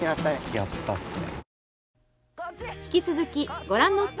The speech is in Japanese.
やったっすね！